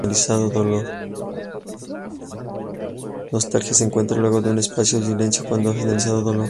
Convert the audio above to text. Nostalgia se encuentra luego de un espacio de silencio cuando ha finalizado Dolor.